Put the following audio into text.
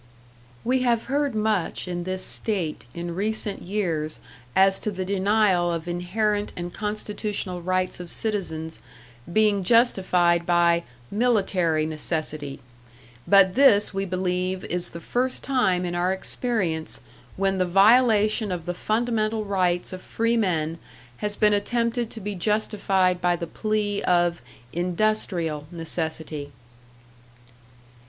"We have heard much in this state in recent years as to the denial of inherent and constitutional rights of citizens being justified by 'military necessity,' but this we believe is the first time in our experience when the violation of the fundamental rights of freemen has been attempted to be justified by the plea of 'industrial necessity.'